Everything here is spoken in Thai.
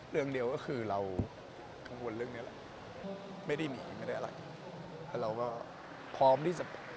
เรื่องเดียวก็คือเรากังวลเรื่องนี้แหละไม่ได้หนีไม่ได้อะไร